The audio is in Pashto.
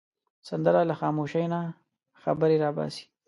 سندره له خاموشۍ نه خبرې را باسي